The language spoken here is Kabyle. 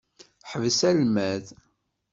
Ḥbes almad!